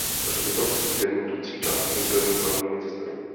Hřbitov se dělí do tří částí rozdělených hlavními cestami.